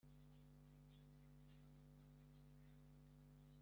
binaniwe kubahiriza ingingo z ayamategeko